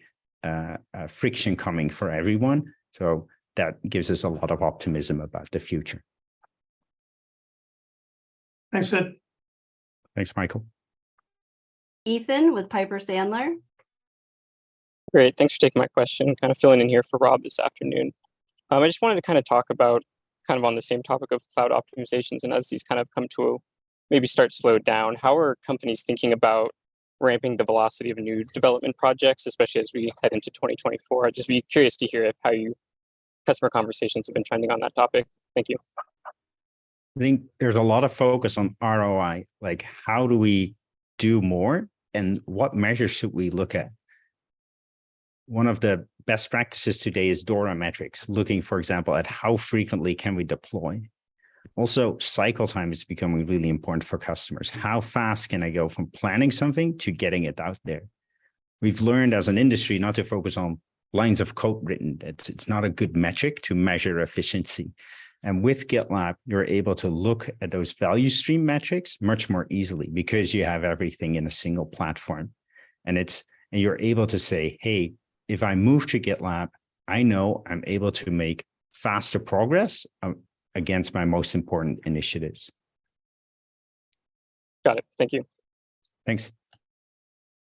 [SPEAKER 2] friction coming for everyone, so that gives us a lot of optimism about the future.
[SPEAKER 8] Thanks, Sid.
[SPEAKER 2] Thanks, Michael.
[SPEAKER 1] Ethan with Piper Sandler.
[SPEAKER 11] Great! Thanks for taking my question. I'm kind of filling in here for Rob this afternoon. I just wanted to kind of talk about, kind of on the same topic of cloud optimizations, and as these kind of come to a maybe start to slow down, how are companies thinking about ramping the velocity of new development projects, especially as we head into 2024? I'd just be curious to hear how your customer conversations have been trending on that topic. Thank you.
[SPEAKER 2] I think there's a lot of focus on ROI, like, how do we do more, and what measures should we look at? One of the best practices today is DORA metrics. Looking, for example, at how frequently can we deploy. Also, cycle time is becoming really important for customers. How fast can I go from planning something to getting it out there? We've learned as an industry not to focus on lines of code written. It's, it's not a good metric to measure efficiency, and with GitLab, you're able to look at those value stream metrics much more easily because you have everything in a single platform. And you're able to say, "Hey, if I move to GitLab, I know I'm able to make faster progress against my most important initiatives.
[SPEAKER 11] Got it. Thank you.
[SPEAKER 2] Thanks.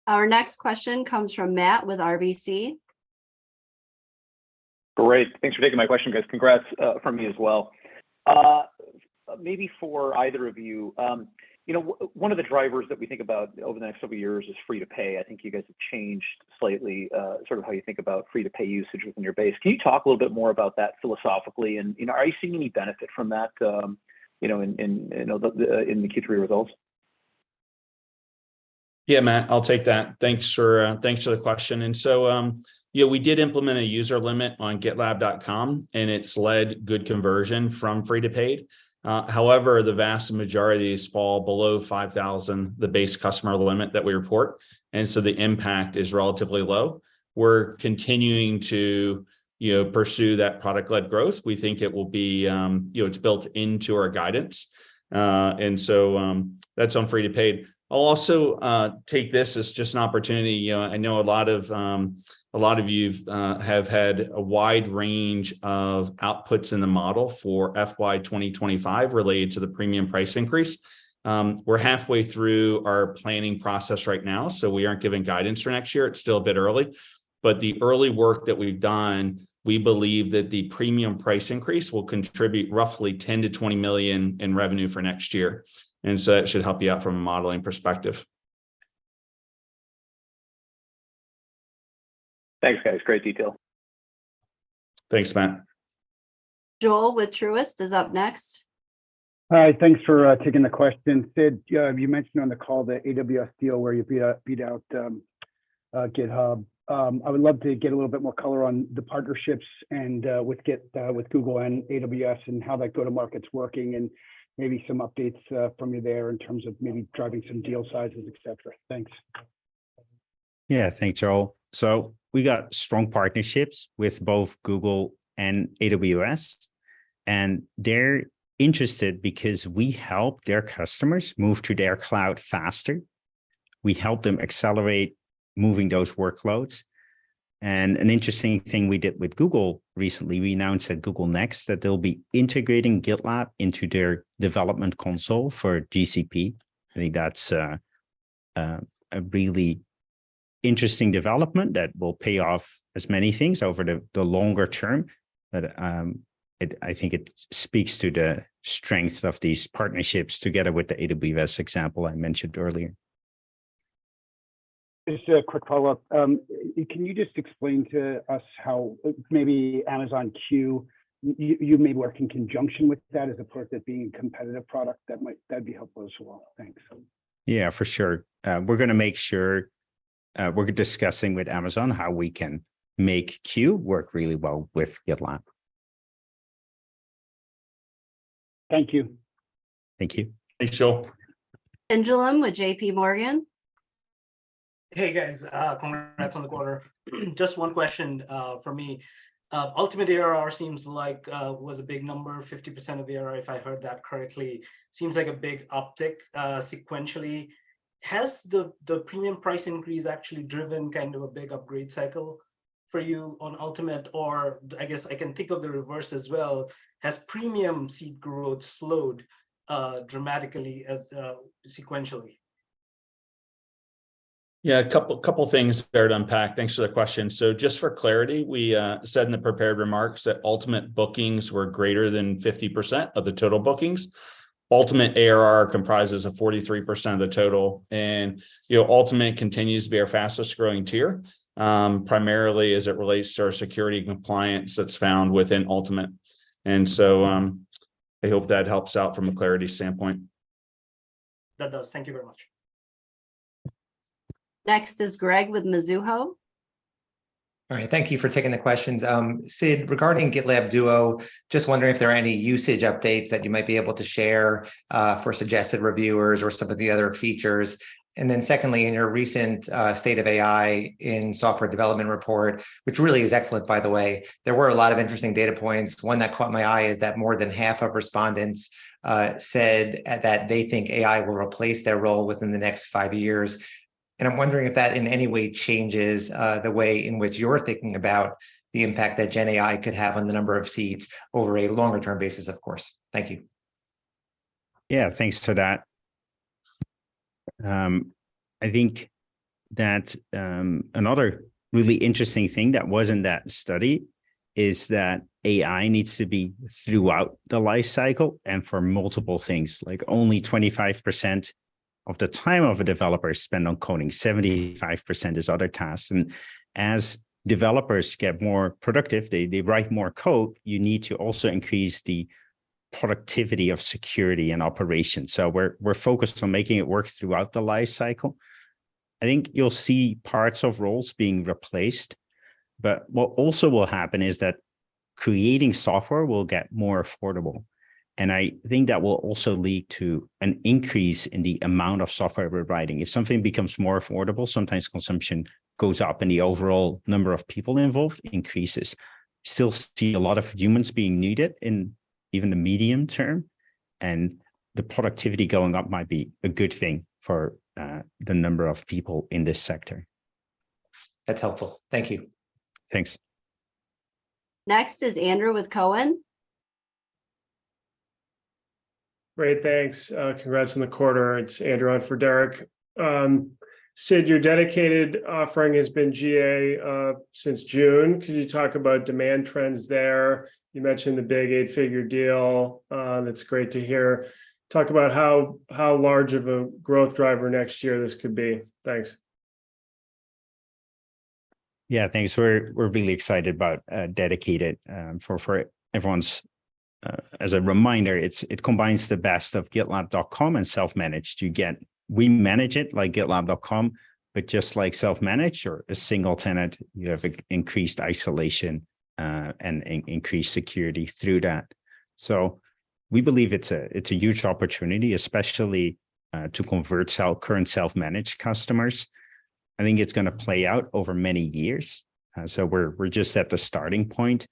[SPEAKER 1] Our next question comes from Matt with RBC.
[SPEAKER 12] Great! Thanks for taking my question, guys. Congrats from me as well. Maybe for either of you, you know, one of the drivers that we think about over the next couple of years is free to pay. I think you guys have changed slightly, sort of how you think about free to pay usage within your base. Can you talk a little bit more about that philosophically, and, you know, are you seeing any benefit from that, you know, in the Q3 results?
[SPEAKER 3] Yeah, Matt, I'll take that. Thanks for, thanks for the question. And so, yeah, we did implement a user limit on GitLab.com, and it's led good conversion from free to paid. However, the vast majorities fall below 5,000, the base customer limit that we report, and so the impact is relatively low. We're continuing to, you know, pursue that product-led growth. We think it will be... You know, it's built into our guidance, and so, that's on free to paid. I'll also take this as just an opportunity. You know, I know a lot of, a lot of you've have had a wide range of outputs in the model for FY 2025 related to the Premium price increase. We're halfway through our planning process right now, so we aren't giving guidance for next year. It's still a bit early, but the early work that we've done, we believe that the premium price increase will contribute roughly $10 million-$20 million in revenue for next year, and so that should help you out from a modeling perspective.
[SPEAKER 12] Thanks, guys. Great detail.
[SPEAKER 3] Thanks, Matt.
[SPEAKER 1] Joel with Truist is up next.
[SPEAKER 13] Hi, thanks for taking the question. Sid, you mentioned on the call the AWS deal where you beat out GitHub. I would love to get a little bit more color on the partnerships and with Git, with Google and AWS, and how that go-to-market's working, and maybe some updates from you there in terms of maybe driving some deal sizes, et cetera. Thanks.
[SPEAKER 2] Yeah, thanks, Joel. So we got strong partnerships with both Google and AWS, and they're interested because we help their customers move to their cloud faster. We help them accelerate moving those workloads, and an interesting thing we did with Google recently, we announced at Google Next that they'll be integrating GitLab into their development console for GCP. I think that's a really interesting development that will pay off as many things over the longer term. But, I think it speaks to the strength of these partnerships together with the AWS example I mentioned earlier.
[SPEAKER 13] Just a quick follow-up. Can you just explain to us how maybe Amazon Q, you may work in conjunction with that, as opposed to it being a competitive product? That might be helpful as well. Thanks.
[SPEAKER 2] Yeah, for sure. We're gonna make sure we're discussing with Amazon how we can make Q work really well with GitLab.
[SPEAKER 13] Thank you.
[SPEAKER 2] Thank you.
[SPEAKER 3] Thanks, Joel.
[SPEAKER 1] Pinjalim with J.P. Morgan.
[SPEAKER 14] Hey, guys, congrats on the quarter. Just one question for me. Ultimate ARR seems like was a big number, 50% of ARR, if I heard that correctly. Seems like a big uptick sequentially. Has the, the Premium price increase actually driven kind of a big upgrade cycle for you on Ultimate? Or I guess I can think of the reverse as well. Has Premium seat growth slowed dramatically as sequentially?...
[SPEAKER 3] Yeah, a couple, couple things there to unpack. Thanks for the question. So just for clarity, we said in the prepared remarks that Ultimate bookings were greater than 50% of the total bookings. Ultimate ARR comprises of 43% of the total, and, you know, Ultimate continues to be our fastest growing tier, primarily as it relates to our security and compliance that's found within Ultimate. And so, I hope that helps out from a clarity standpoint.
[SPEAKER 14] That does. Thank you very much.
[SPEAKER 1] Next is Gregg with Mizuho.
[SPEAKER 15] All right, thank you for taking the questions. Sid, regarding GitLab Duo, just wondering if there are any usage updates that you might be able to share for suggested reviewers or some of the other features? And then secondly, in your recent state of AI in software development report, which really is excellent, by the way, there were a lot of interesting data points. One that caught my eye is that more than half of respondents said that they think AI will replace their role within the next five years. And I'm wondering if that, in any way, changes the way in which you're thinking about the impact that Gen AI could have on the number of seats over a longer term basis, of course. Thank you.
[SPEAKER 2] Yeah, thanks for that. I think that another really interesting thing that was in that study is that AI needs to be throughout the life cycle and for multiple things. Like, only 25% of the time of a developer is spent on coding, 75% is other tasks. And as developers get more productive, they write more code, you need to also increase the productivity of security and operations. So we're focused on making it work throughout the life cycle. I think you'll see parts of roles being replaced, but what also will happen is that creating software will get more affordable, and I think that will also lead to an increase in the amount of software we're writing. If something becomes more affordable, sometimes consumption goes up, and the overall number of people involved increases. Still see a lot of humans being needed in even the medium term, and the productivity going up might be a good thing for, the number of people in this sector.
[SPEAKER 15] That's helpful. Thank you.
[SPEAKER 2] Thanks.
[SPEAKER 1] Next is Andrew with Cowen.
[SPEAKER 16] Great, thanks. Congrats on the quarter. It's Andrew on for Derek. Sid, your dedicated offering has been GA since June. Could you talk about demand trends there? You mentioned the big eight-figure deal. That's great to hear. Talk about how large of a growth driver next year this could be. Thanks.
[SPEAKER 2] Yeah, thanks. We're really excited about Dedicated. For everyone's as a reminder, it combines the best of GitLab.com and Self-Managed. You get, we manage it like GitLab.com, but just like Self-Managed or a single tenant, you have increased isolation and increased security through that. So we believe it's a huge opportunity, especially to convert current Self-Managed customers. I think it's gonna play out over many years. So we're just at the starting point.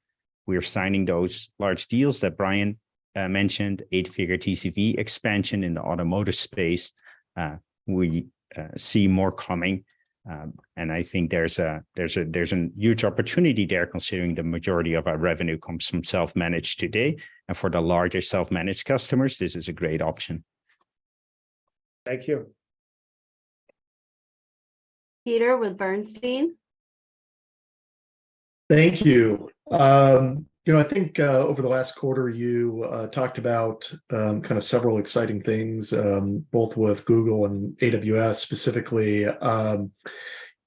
[SPEAKER 2] We are signing those large deals that Brian mentioned, eight-figure TCV expansion in the automotive space. We see more coming, and I think there's a huge opportunity there, considering the majority of our revenue comes from Self-Managed today, and for the larger Self-Managed customers, this is a great option.
[SPEAKER 16] Thank you.
[SPEAKER 1] Peter with Bernstein.
[SPEAKER 17] Thank you. You know, I think over the last quarter you talked about kind of several exciting things both with Google and AWS, specifically, you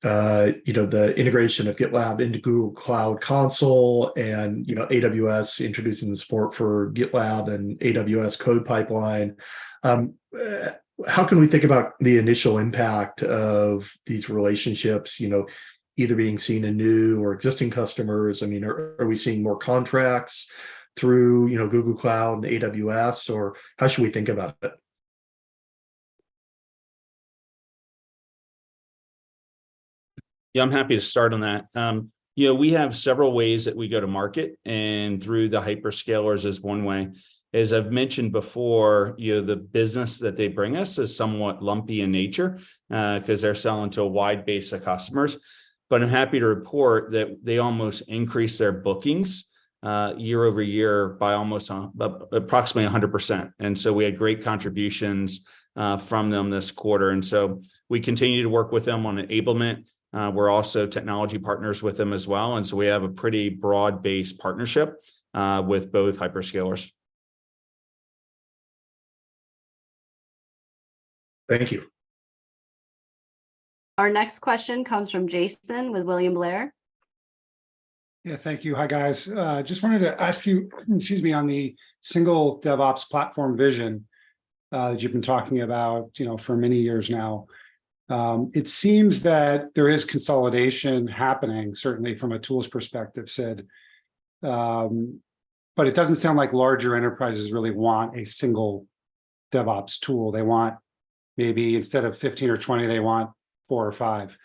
[SPEAKER 17] know, the integration of GitLab into Google Cloud Console, and, you know, AWS introducing the support for GitLab and AWS CodePipeline. How can we think about the initial impact of these relationships, you know, either being seen in new or existing customers? I mean, are we seeing more contracts through, you know, Google Cloud and AWS, or how should we think about it?
[SPEAKER 3] Yeah, I'm happy to start on that. You know, we have several ways that we go to market, and through the hyperscalers is one way. As I've mentioned before, you know, the business that they bring us is somewhat lumpy in nature, 'cause they're selling to a wide base of customers. But I'm happy to report that they almost increased their bookings year over year by almost approximately 100%, and so we had great contributions from them this quarter. And so we continue to work with them on enablement. We're also technology partners with them as well, and so we have a pretty broad-based partnership with both hyperscalers.
[SPEAKER 17] Thank you.
[SPEAKER 1] Our next question comes from Jason with William Blair.
[SPEAKER 18] Yeah. Thank you. Hi, guys. Just wanted to ask you, excuse me, on the single DevOps platform vision, that you've been talking about, you know, for many years now. It seems that there is consolidation happening, certainly from a tools perspective, Sid, but it doesn't sound like larger enterprises really want a single DevOps tool. They want maybe instead of 15 or 20, they want four or five.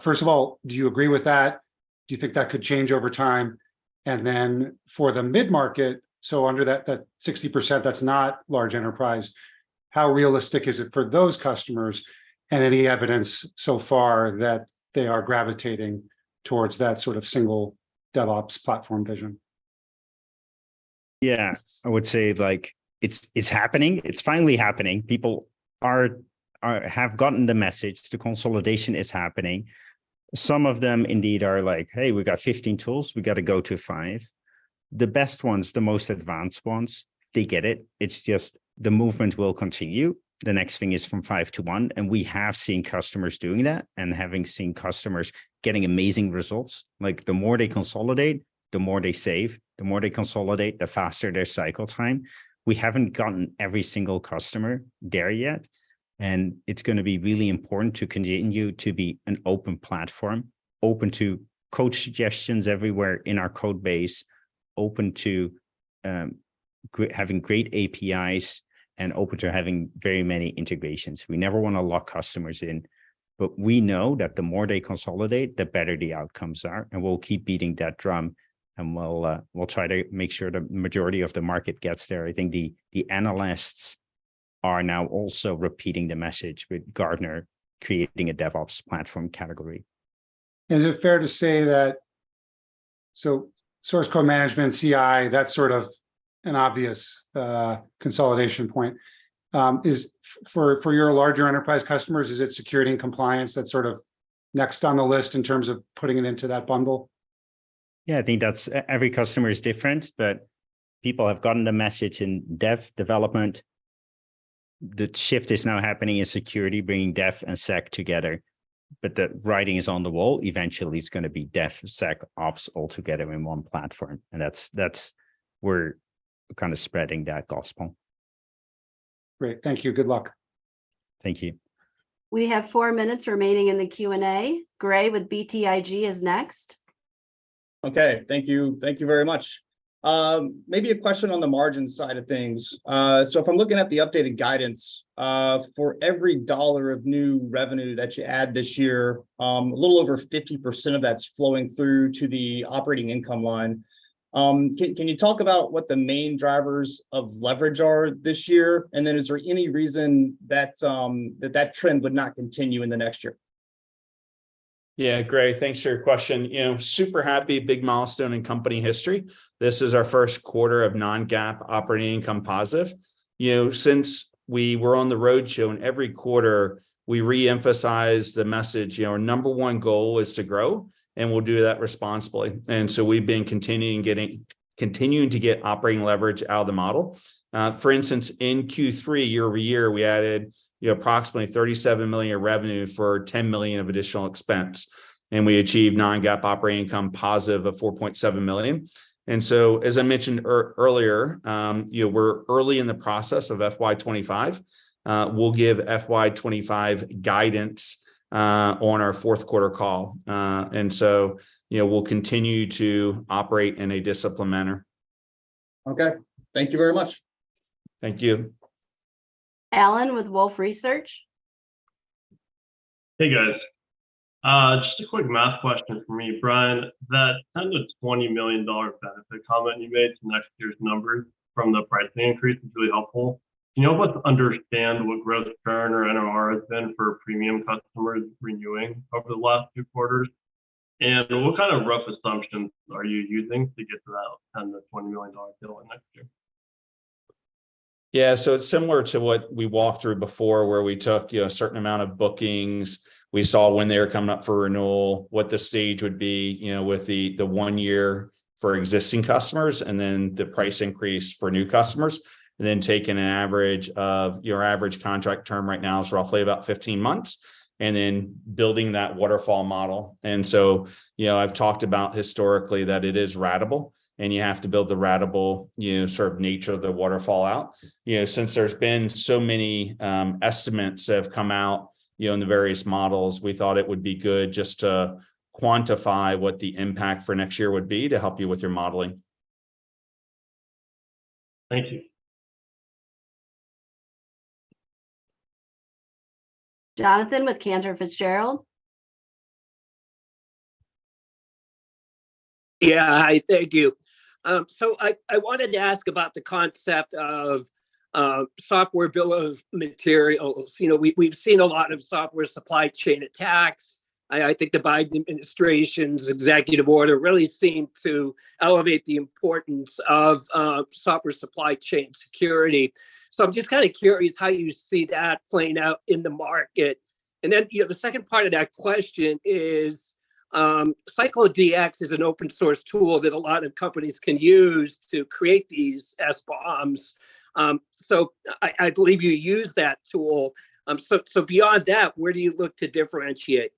[SPEAKER 18] First of all, do you agree with that? Do you think that could change over time? And then for the mid-market, so under that, that 60%, that's not large enterprise, how realistic is it for those customers, and any evidence so far that they are gravitating towards that sort of single DevOps platform vision?...
[SPEAKER 2] Yeah, I would say, like, it's happening. It's finally happening. People have gotten the message, the consolidation is happening. Some of them indeed are like, "Hey, we've got 15 tools, we've gotta go to five." The best ones, the most advanced ones, they get it. It's just the movement will continue. The next thing is from five to one, and we have seen customers doing that, and having seen customers getting amazing results. Like, the more they consolidate, the more they save. The more they consolidate, the faster their cycle time. We haven't gotten every single customer there yet, and it's gonna be really important to continue to be an open platform, open to code suggestions everywhere in our code base, open to having great APIs, and open to having very many integrations. We never wanna lock customers in, but we know that the more they consolidate, the better the outcomes are, and we'll keep beating that drum, and we'll try to make sure the majority of the market gets there. I think the analysts are now also repeating the message, with Gartner creating a DevOps platform category.
[SPEAKER 19] Is it fair to say that... So source code management, CI, that's sort of an obvious consolidation point. Is it for your larger enterprise customers, is it security and compliance that's sort of next on the list in terms of putting it into that bundle?
[SPEAKER 2] Yeah, I think that's every customer is different, but people have gotten the message in development. The shift is now happening in security, bringing dev and sec together. But the writing is on the wall, eventually it's gonna be DevSecOps all together in one platform, and that's, we're kind of spreading that gospel.
[SPEAKER 19] Great. Thank you. Good luck.
[SPEAKER 2] Thank you.
[SPEAKER 1] We have four minutes remaining in the Q&A. Gray with BTIG is next.
[SPEAKER 20] Okay, thank you. Thank you very much. Maybe a question on the margin side of things. So if I'm looking at the updated guidance, for every $1 of new revenue that you add this year, a little over 50% of that's flowing through to the operating income line. Can you talk about what the main drivers of leverage are this year? And then is there any reason that that trend would not continue in the next year?
[SPEAKER 3] Yeah, Gray, thanks for your question. You know, super happy, big milestone in company history. This is our first quarter of non-GAAP operating income positive. You know, since we were on the road show, and every quarter, we re-emphasize the message, you know, our number one goal is to grow, and we'll do that responsibly. And so we've been continuing to get operating leverage out of the model. For instance, in Q3, year-over-year, we added, you know, approximately $37 million of revenue for $10 million of additional expense, and we achieved non-GAAP operating income positive of $4.7 million. And so, as I mentioned earlier, you know, we're early in the process of FY 2025. We'll give FY 2025 guidance on our fourth quarter call. And so, you know, we'll continue to operate in a disciplined manner.
[SPEAKER 20] Okay. Thank you very much.
[SPEAKER 3] Thank you.
[SPEAKER 1] Allen with Wolfe Research.
[SPEAKER 21] Hey, guys. Just a quick math question from me, Brian. That $10-$20 million benefit comment you made to next year's numbers from the pricing increase is really helpful. Do you know what to understand what growth return or NRR has been for premium customers renewing over the last two quarters? And what kind of rough assumptions are you using to get to that $10-$20 million bill in next year?
[SPEAKER 3] Yeah, so it's similar to what we walked through before, where we took, you know, a certain amount of bookings. We saw when they were coming up for renewal, what the stage would be, you know, with the, the one year for existing customers, and then the price increase for new customers. And then, taking an average of... Your average contract term right now is roughly about 15 months, and then building that waterfall model. And so, you know, I've talked about historically that it is ratable, and you have to build the ratable, you know, sort of nature of the waterfall out. You know, since there's been so many estimates that have come out, you know, in the various models, we thought it would be good just to quantify what the impact for next year would be to help you with your modeling.
[SPEAKER 21] Thank you.
[SPEAKER 1] Jonathan with Cantor Fitzgerald.
[SPEAKER 19] Yeah. Hi, thank you. So I wanted to ask about the concept of software bill of materials. You know, we've seen a lot of software supply chain attacks. I think the Biden administration's executive order really seemed to elevate the importance of software supply chain security. So I'm just kind of curious how you see that playing out in the market. And then, you know, the second part of that question is, CycloneDX is an open source tool that a lot of companies can use to create these SBOMs. So I believe you use that tool. So beyond that, where do you look to differentiate?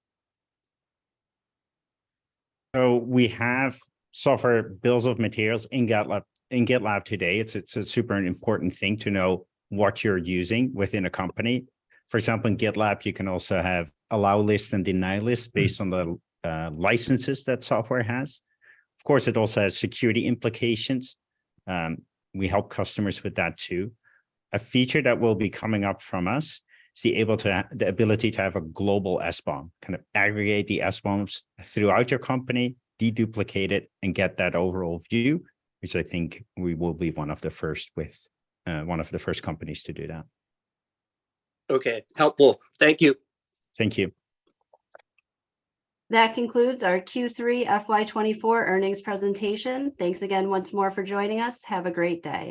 [SPEAKER 2] We have software bills of materials in GitLab, in GitLab today. It's a super important thing to know what you're using within a company. For example, in GitLab, you can also have allow list and deny list-
[SPEAKER 19] Mm-hmm...
[SPEAKER 2] based on the licenses that software has. Of course, it also has security implications. We help customers with that, too. A feature that will be coming up from us is the ability to have a global SBOM, kind of aggregate the SBOMs throughout your company, deduplicate it, and get that overall view, which I think we will be one of the first with, one of the first companies to do that.
[SPEAKER 19] Okay, helpful. Thank you.
[SPEAKER 2] Thank you.
[SPEAKER 1] That concludes our Q3 FY 2024 earnings presentation. Thanks again once more for joining us. Have a great day.